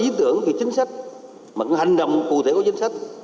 ý tưởng về chính sách bằng hành động cụ thể của chính sách